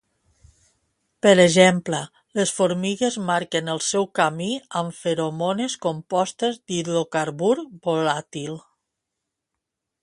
Per exemple, les formigues marquen el seu camí amb feromones compostes d'hidrocarbur volàtil.